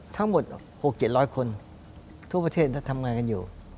ทั้งหมดคนธุรกิจรถ้างานอยู่